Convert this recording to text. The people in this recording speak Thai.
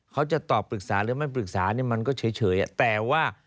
เขาจะตอบปรึกษาหรือไม่ปรึกษาเนี่ยมันก็เฉยแต่ว่า